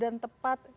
dengan cepat dan tepat